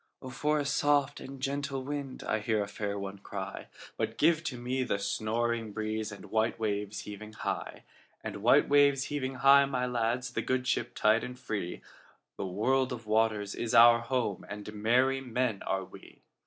"O for a soft and gentle wind!"I heard a fair one cry:But give to me the snoring breezeAnd white waves heaving high; And white waves heaving high, my lads, The good ship tight and free—The world of waters is our home, And merry men are we.